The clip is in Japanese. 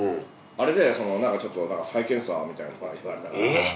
あれでなんかちょっと再検査みたいな言われたから。